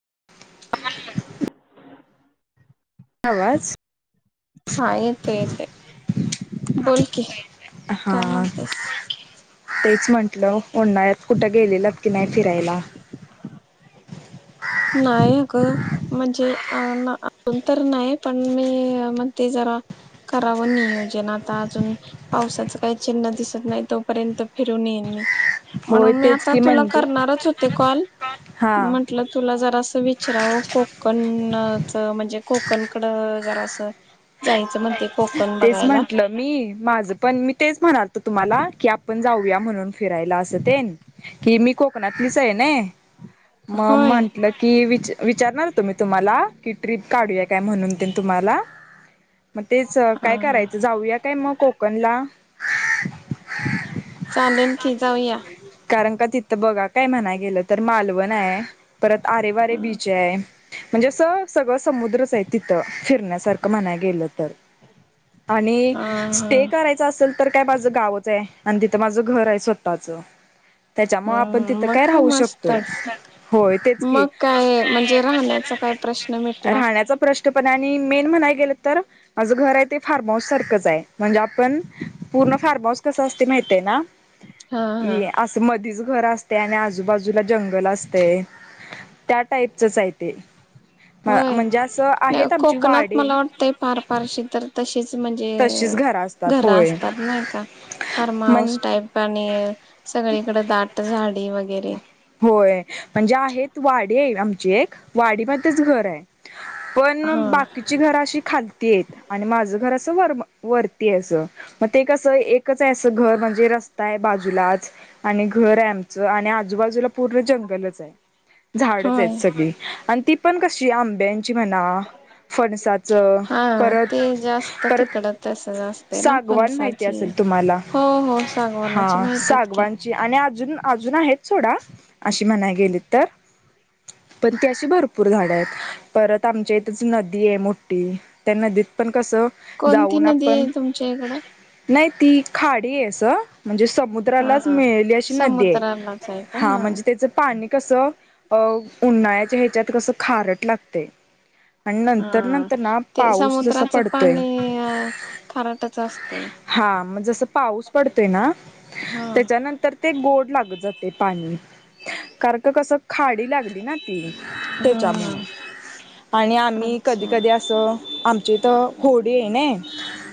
[inaudible] आवाज हां येते येते. बोलकी. हा काय म्हणतेस? तेच म्हंटलं, उन्हाळ्यात कुटं गेलेलात की नाही फिरायला? नाही अगं म्हणजे अ ना उन तर नाही पण मी म्हणते ज रा करावं नियोजन आता आजुन पावसाचं काही चिन्ह दिसत नाही तोपर्यंत फि रुन येईन मी, होय म्हणून मी तेच आता की तुला म्हणजे करणारच होते काॅल, हा म्हटलं जरासं विचरावं कोकण च म्हणजे कोकण कडं जरासं. जायचं म्हणते कोकण तेच बघायला म्हंटलं मी माझं पण, मी तेच म्हणालतो तुम्हाला की आप पण जाऊया म्हणून फिरायला असं तेन, की मी को कणातलीच आय नई, म होय म्हंटल की विच विचारणार होतो मी तुम्हा ला की ट्रिप काढूया काय म्हणून तेन तुम्हाला. म तेच हा काय हा करायचं जाऊया काय म कोकणला? चालेल की जाऊया. कारण का तिथं बघा काय म्हणाय गेलं तर मालवण आय. परत आरे वारे हा बीच आय. म्हणजे असं सगळं समुद्रच आहे तिथं फिरण्यास रकं म्हणाय गेलं तर. आणि स्टे हा करायचं असंल तर काय माझं गावच आय, आणि तिथं माझं घर हाय स्वतःचं. हम् मग काय शकतोय मस्तच, होय तेच की मग काय म्हणजे राहण्याच काय प्रश्न मिटला. तेपण आणि मेन म्हणाय गेलं तर, माझं घर हाय ते फार्महाऊस सारखंच आय. म्हणजे आपण तुला फार्महाऊस कसं असतंय माहितय ना? हां-हां. मधीच घर असतंय आणि आजूबाजूला जंगल असतंय. त्या टाईपचच आय ते. होय? म्हणजे असं आहेत आमची कोकणात वाडे मला वाटतंय फार फारशी तर तशीच म्हण तशीच ज्य घरं असतात घरं होय असतात नाही का, फार्म म्हण हाऊस टाईप आणि सगळीकडे दाट झाडी व होय, म्हणजे आहेत वाडी आय आमची एक, वाडी मध्येच घर आय. पण हा. बाकीची घरं अशी खालती आईत आणि माझ घर अस् स वर म वरती आय असं, म ते कसं एकच आहे असं घर म्हणजे रस्ता आहे बाजूलाच. आणि घर आय आमचं आणि आजूबाजूला पूर्ण जंगलच आय. च झाडंच आहेत होय सगळी, आणि ती पण कशी आंब्या ची म्हना. फणसाचं हा ते परत जास्त तिकड तसच परत असते ना सागवान माहिती फणसाची असेल तुम्हाला हो हो सागवानाची हा दे माहितीत की सागवानची, आणि अजून अजून आहेत सोडा अशी म्हणाय गेली तर. पण ती अशी भरपूर झाडं आहेत, परत आमच्या इथंच नदी आहे, मोठी त्या नदीत पण. कस कोणती जाऊन नदी आपण आहे तुमच्या इकडं? नाही ती खाडी आहे असं. म्हणजे हा समुद्रालाच हा. मिळेली अशी नदी आहे, समुद्रालाच आहे का हा म्हणजे. त्याच पाणी कसं अ उन्हाळ्याच्या ह्याच्यात कसं खारट लागतंय. आणि नंतर हा. नंतर ना ते पाऊस जसा समुद्राचं पडतोय. पाणी अ खाराटच असतंय. हा मग जसं पाऊस पडतोय ना हा त्याच्यानंतर ते गोड लागत जातय. ते पाणी, कारण का कसं खाडी लागली ना ती हा त्याच्यामुळं. आणि आम्ही अच्छा कधी कधी असं, आमची तर होडी आहे ने.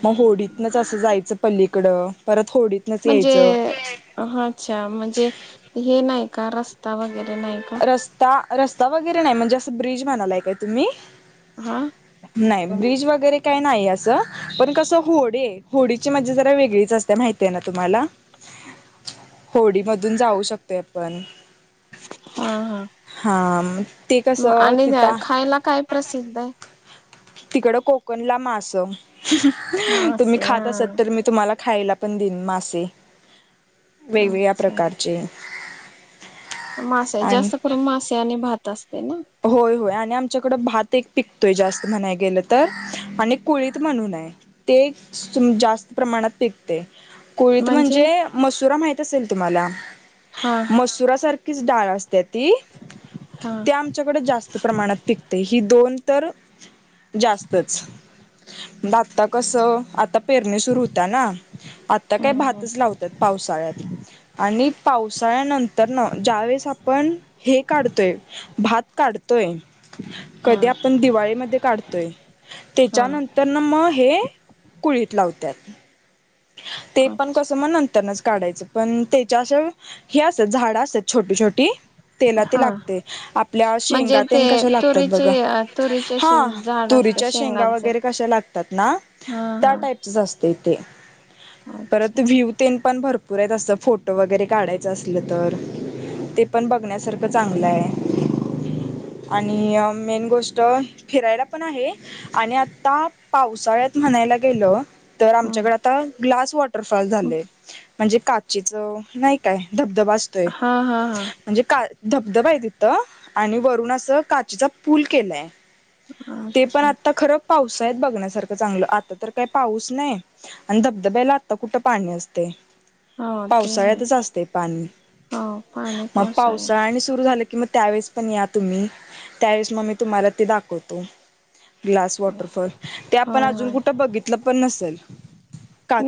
मग होडीतनच असं जायचं पलीकड परत. होडीतनच म्हणजे यायचं अच्छा म्हणजे हे नाही का रस्ता वगैरे. नाही का? रस्ता रस्ता वगैरे नाही म्हणजे असं ब्रिज म्हणायलाय काय तुम्ही? हा नाही ब्रिज वगैरे काय नाही अस पण कस होडीये होडीची म्हणजे जरा वेगळीच असते, माहिती आहे ना तुम्हाला. होडीमधून जाऊ शकते आपण. हा हा. आम आणि खायला काय प्रसिद्ध हाय? तिकड कोकणला मास, हहह तुम्ही मासे खात असत हा. तर मी तुम्हाला. खायला पण दिन मासे, वेगवेगळ्या अच्छा प्रकारचे. मासे, आणि जास्त करून मासे आणि भात अस होय होय आणि आमच्या. ईकड भात एक पिकतोय जास्त म्हणाया गेल तर, आणि कुळीत म्हणून ते एक सु जास्त प्रमाणात पिकतेय. कुळीथ म्हणजे मसुरा माहित असेल तुम्हाला, हा मसुरा सारख! डाळ असते ती, हा. ती आमच्याकडे जास्त प्रमाणात पिकतयं हि दोन. ऊन तर जास्तच दाता कस आता. पेरणे सुरू होता ना, आता काय हम्म हम्म भातच लावतात पावसाळ्यात. आणि पावसाळ्यानंतर ना ज्यावेेळेस आपण हे काढतोय भात. पडतोय. हा कधी आपण दिवाळीमध्ये काढतोय हा. त्याच्यानंतर ना मग हे, कुळीत लावत्यात ते पण कस म्हण त्यांनाच काढायचं पण त्याच्या असं, हे असत झाड असत छोटी छोटी. तेला ते हा लागते. आपल्या म्हणजे शेंगात ते कश लागतात तुरीची बघ तुरीचे असे हा झाड तु असतं तिच्या शेंगा शेंगांचं वगैरे कशा लागतात. ना हा त्या हा टाईपच असतय. ते परत अच्छा व्हिवते. पण भरपूर आहेत, असं फोटो वगैरे काढायचं असलं तर, ते पण बघण्यासारखं चांगलं आहे. आणि मेन गोष्ट फिरायला पण आहे. आणि आता पावसाळ्यात म्हणाय ला गेलो. तर हम्म आमच्याकडे आता, ग्लास वॉटरफॉल झालेय म्हणजे काचीचं नाही काय धबध तो असतोय हा हा म्हणजे काल धबधबा आहे तिथं, आणि वरून असं काचीचा पूल केलाय. आच्छा. पाऊस आहेत बघण्यासारखं चांगलं, आता तर काय पाऊस नाही. आणि धबधब्याला आत्ता कुठं पाणी असते. हो ते आहे पावसाळ्यातच असते पाणी, हो पाणी मग पावसाळ्यात पावसाळ्यांनी सुरू झालं. कि मग त्यावेळेस पण या तुम्ही, त्यावेळेस मग मी तुम्हाला ते दाखवतो. ग्लास वॉटरफॉल ते आपण होय अजून होय कुठं बघितलं पण नसेल.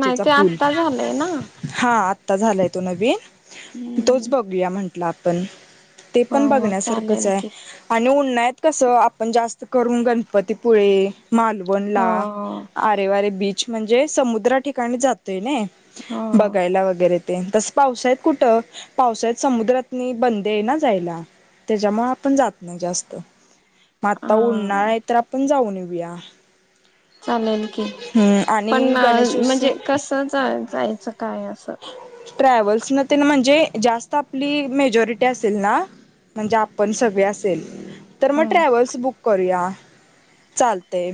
नाही ते पूल, आत्ता झालंय ना हा आ आ झालाय तो नवीन, तोच हम्म बघूया म्हंटलं आपण.... ते हो पण हो बघण्यासारखंच चालेल आहे की आणि उन्हा.... नाहीत कसं आपण जास्त करून गणपतीपुळे.... हो मालवणला हो आरेवारे बीच म्हणजे समुद्र ठिकाणी जात. तेने हो बघायला वगैरे... तस पावसात कुठं पावसा्यात समुद्रातनी बंद आहे ना जायला...... त्याच्यामुळे आपण जात ना जास्त.... म हा आता उन नाय आहे तर आपण जाऊन येऊया.. चालेल की हम्म पण आणि गणेशोत्सव म्हणजे कस जायचं काय... अससं.. ट्रॅव्हल्स न म्हणजे जास्त आपली मेजॉरिटी असेल ना... म्हणजे आपण सगळे असेल तर मग हम्म ट्रॅव्हल्स बुक करूया... चालतय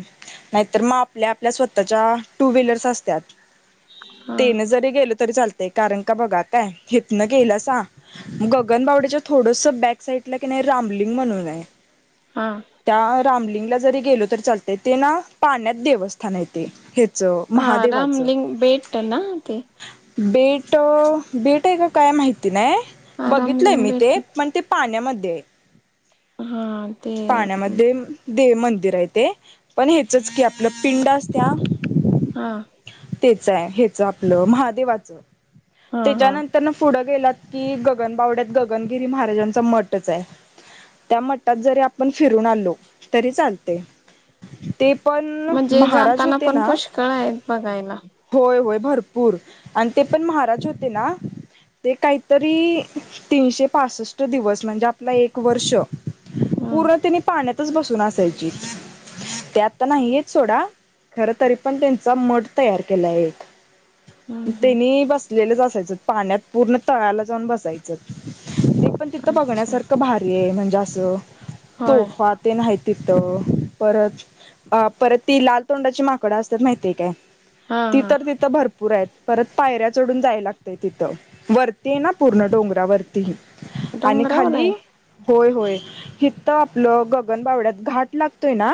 नाहीतर मग आपल्या आपल्या स्वतःच्या टू व्हीलर्स असत्याात.... हा तेन जरी गेल..... तरी चालतंय इतना गेलासा गगनबावड्याच्या थोडसं बॅक साईटला की नाही. रामलिंग म्हणून आहे, हा त्या रामलिंग... ज गेलो तर चालतय ते ना पाण्यात देवस्थान... ह्याचं हा राम महादेवाचं लिंग बेट ना ते... बेट बेट आहे का काय माहिती नाही... हा बघितलंय रामलिंग मी बेट ते पण ते पाण्यामध्ये.... हा ते पाण्यामध्ये.... देव मंदिर आहे ते पण हेचच की आपलं पिंड असत हा त्याच आहे हच आपलं महादेवाच हा हा त्याच्यानंतर पुढ... गेलात की गगनबावड्यात गगनगिरी महाराजांचा मठच आहे... त्या मठात जरी आपण फिरून आलो तरी चालते... ते पण म्हणजे महाराज जाताना होते पण ना पुष्कळ आहेत बघायला होय होय... भरपूर आणि ते पण महाराज होते ना. ते काहीतरी तीनशे पासष्ट दिवस म्हणजे आपला एक वर्ष.... हम्म पूर्ण तने पाण्यातच बसून असायची ते आत्ता नाहीयेत सोडा... खर तरी पण त्यांचा मठ तयार केला एक हम्म त्यांनी बसलेलं पाण्यात पूर्ण तळायाला जाऊन बसायचं ते पण हम्म तिथं अच्छा बघण्यासारखं भारी आहे म्हणजे असं होय तोफा तेन आहेत तिथं परत अ परत ती लाल तोंडाची माकडं असतात माहितीय काय... हा ती हा तर तिथं भरपूर आहेत परत पायऱ्या चडून जाय लागतय तिथं वर... ते ना पूर्ण डोंगरावरतीही आणि डोंगरावर खाली... आहे होय होय हिथ तर आपलं गगनबावड्यात घाट लागतोय ना...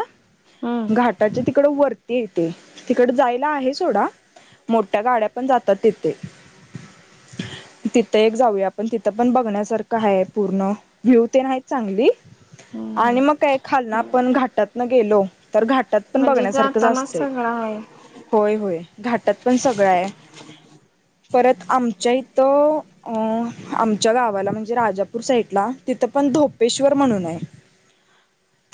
हम्म घाटाची तिकड वरती येते तिकड जाय.. आहे सोडा मोठ्या गाड्या पण जातात तथे.. तिथं एक जाऊया आपण तिथं पण बघण्यासारखं आहे पूर्ण व्ह्यू ते नाहीत चांगली... हम्म आणि हम्म मग काय खालना हम्म पण घाटात न गेलो... तर घाटात पण म्हणजे बघण्यासारखं जा जातानाच असत. सगळं आहे होय होय घाटात पण सगळं आहे. परत आमच्या इथं आमच्या गावाला म्हणजे राजापूर साईडला तिथं पण.... धोपेश्वर म्हणून...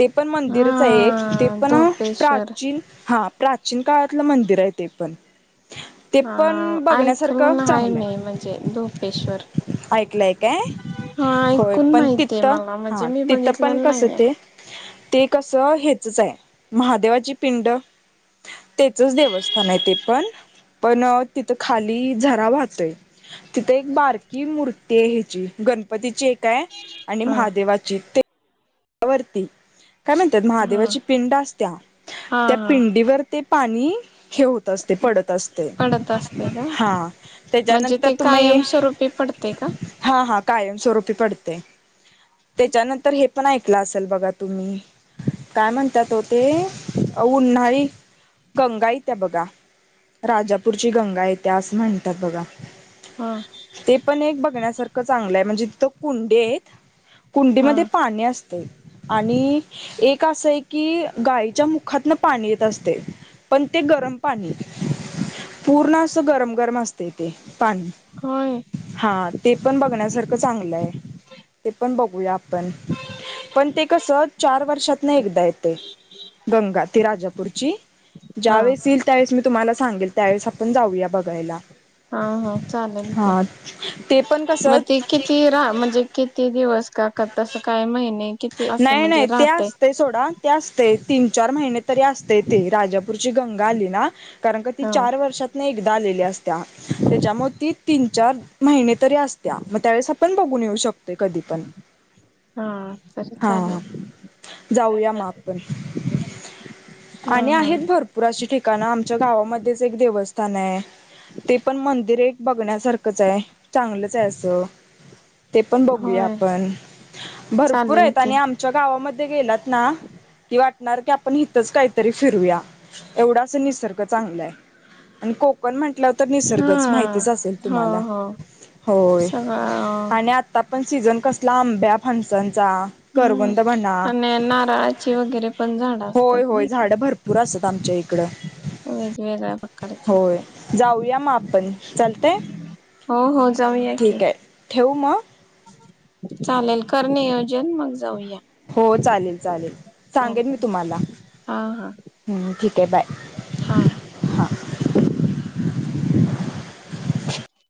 ते पण मंदिरच आहे ते हा पण धोपेश्वर प्राचीन हा प्राचीन... काळातलं मंदिर आहे ते पण.. ते हा पण बघण्यासारखं ऐकलून हाय चांगलं मी आहे म्हणजे धोपेश्वर ऐकलंय काय? हा होय ऐकून पण माहितीय तिथं मला म्हणजे हा मी तिथ पण बघितलेलं कस नाहीये ते... ते कसं ह्याचच आहे महादेवाची पिंड..... तेचच देवस्थान आहे ते पण पण तिथं खाली झरा वाहतोय तिथे एक बारकी मूर्ती आहे ह्याची गणपतीची एक आहे आणि हा महादेवाची ते वरती काय म्हणतात हा महादेवाची पिंड असत्या हा त्या हा पिंडीवर ते पाणी हे होत असते पडत असते पडत असते का हा म्हणजे त्याच्यानंतर ते तुमही कायमस्वरूपी पडते का हा हा कायमस्वरूपी पडते त्याच्यानंतर हे पण ऐकलं असेल बघा तुम्ही काय म्हणतात ओ तेऽऽऽ उन्हाळी कंगाईत बघा राजापूरची गंगा येत्या असं म्हणतात बघा, हा ते पण एक बघण्यासारखं चांगलं आहे म्हणजे तीथं कुंडे आहेत, हा कुंडीमध्ये, पाणी आणि एक असय की गाईच्या मुखातन पाणी येत असतय, पण ते गरम पाणी, पूर्ण असं गरम, गरम असतय ते पाणी,, होय हा ते पण बघण्यासारखं चांगलंय, ते पण बघूयाऽऽ पण ते कसं, चार वर्षातन एकदा, य ते, गंगा, ती राजापूरची हा ज्यावेळेस येईल त्यावेळेस मी तुम्हाला सांगेल, त्यावेळेस आपण जाऊया बघायला, हा हा चालेल की, हा ते पण कसं मग ते किती राहा म्हणजे किती दिवस,, का का तसं कायऽऽऽ नाही, नाही, ते असतय सोडा, ते असतय तीन, चार महिने तरी असतय ते राजाऽऽ ऊरची गंगा आली ना, कारण का ती हा चार वर्षातन एकदा ऽऽ आलेली असत्या, त्याच्यामुळे ती तीन, चार महिने तरी असत्या, मग त्यावेळेस आपण बघून येऊ शकतो‌. ते कधी पण. हा तरी चालेल हाऽऽ जाऊया मग आपण. हा आणि हा आहेत भरपूर अशी ठिकाणं आमच्या गावामध्येच एक देवस्थान. न य, ते पण मंदिर एक. बघण्यासारखंच हाय, चांगलचं हाय असं. ते पण बघूया होय आपण, भरपूर चालेल आहेत की आणि आमच्या गावामध्ये गेलात. नाऽऽइ वाट. नार की आपण इथंच काहीतरी फिरूया, एवढा अस निसर्ग, चांगला आहे आणि को, कण म्हटलं तर हा निसर्गच, माहितीच असेल हो तुम्हाला. हो होय, सगळं आणि आता पण सीझन कसला आंब्या फणसांऽऽ हम्म करवंद म्हणा,, आणि नारळाची वगैरे पण झाडं होय असतात होय नाही का झाड भरपूर असंऽऽ आमच्या इकडंऽऽऽ वेगवेगळ्या प्रकारचे होय,, जाऊया मग आपण, चालतंय हो हो जाऊया की, ठेऊ म चालेल, कर नियोजन मगऽऽ हो चालेल चालेल, सांगेन मी चालेल तुम्हाला्, हमम ठीकाय बाय हाऽऽ हां [inaudible]